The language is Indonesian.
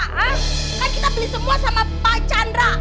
kan kita beli semua sama pak jandra